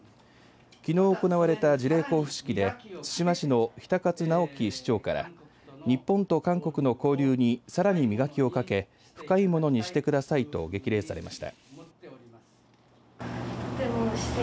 きのう行われた辞令交付式で対馬市の比田勝尚喜市長から日本と韓国の交流にさらに磨きをかけ深いものにしてくださいと激励されました。